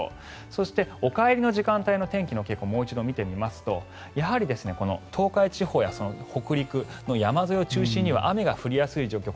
そして、お帰りの時間帯の天気の傾向をもう一度見てみると東海地方や北陸の山沿いを中心に雨が降りやすい状況